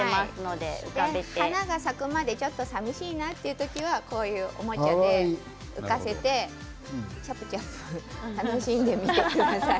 花が咲くまでちょっと寂しい時はこのようなおもちゃを浮かせてちゃぷちゃぷ楽しんでみてください。